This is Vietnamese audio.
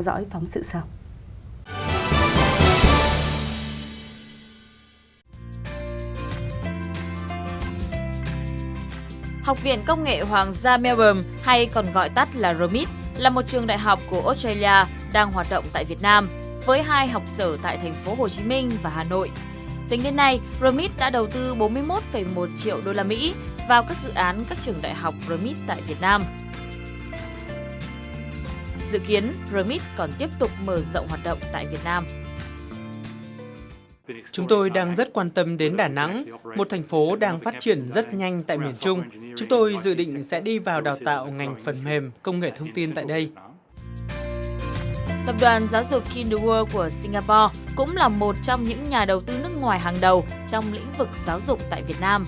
tập đoàn giáo dục kinder world của singapore cũng là một trong những nhà đầu tư nước ngoài hàng đầu trong lĩnh vực giáo dục tại việt nam